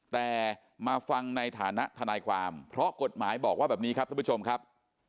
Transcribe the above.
แต่มาฟังในฐานะทนายความเพราะกฎหมายบอกว่าแบบนี้ครับท่านผู้ชมครับ